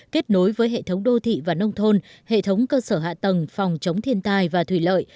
kết nối với hệ thống đô thị và nông thôn hệ thống cơ sở hạ tầng phòng chống thiên tai và thủy lợi